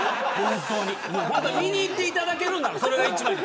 見に行っていただけるならそれが一番です。